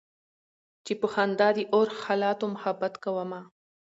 چې په خندا د اور حالاتو محبت کومه